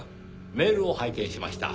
メールを拝見しました。